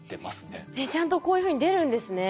ねっちゃんとこういうふうに出るんですね。